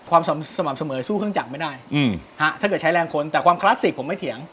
สม่ำเสมอสู้เครื่องจักรไม่ได้ถ้าเกิดใช้แรงคนแต่ความคลาสสิกผมไม่เถียง